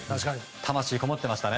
魂がこもってましたね。